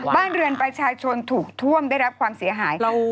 บ้านเรือนประชาชนถูกท่วมได้รับความเสียหาย